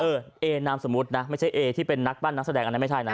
เออเอนามสมุดนะไม่ใช่เอที่เป็นนักปั้นนักแสดง